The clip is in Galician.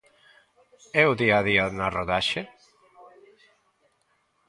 E o día a día na rodaxe?